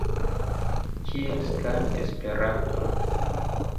Kiel skani Esperanton?